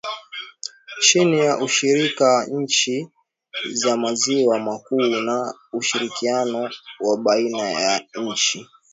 chini ya ushirika wa nchi za maziwa makuu na ushirikiano wa baina ya nchi